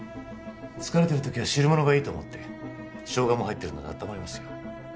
疲れてる時は汁物がいいと思ってショウガも入ってるので温まりますよ